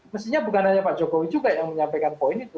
mestinya bukan hanya pak jokowi juga yang menyampaikan poin itu